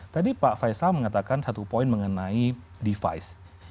tadi pak faisal mengatakan satu poin mengenai device